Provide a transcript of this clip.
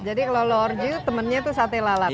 jadi kalau lorju temannya itu sate lalat ya